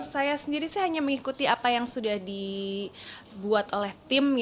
saya sendiri sih hanya mengikuti apa yang sudah dibuat oleh tim